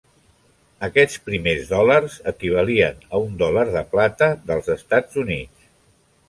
Aquests primers dòlars equivalien a un dòlar de plata dels Estats Units.